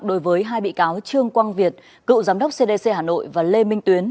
đối với hai bị cáo trương quang việt cựu giám đốc cdc hà nội và lê minh tuyến